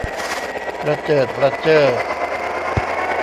ประเจิดประเจ้อ